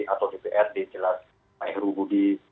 atau dprd jelas pak heru budi